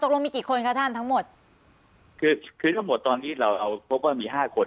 ตกลงมีกี่คนคะท่านทั้งหมดคือคือทั้งหมดตอนนี้เราเอาพบว่ามีห้าคน